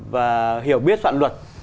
và hiểu biết soạn luật